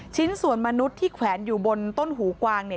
ชิ้นส่วนมนุษย์ที่แขวนอยู่บนต้นหูกวางเนี่ย